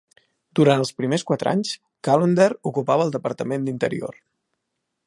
Durant els primers quatre anys, Calonder ocupava el departament d'Interior.